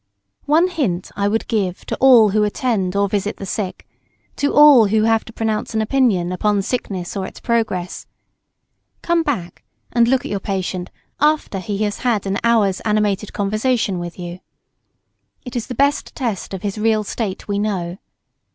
One hint I would give to all who attend or visit the sick, to all who have to pronounce an opinion upon sickness or its progress. Come back and look at your patient after he has had an hour's animated conversation with you. It is the best test of his real state we know.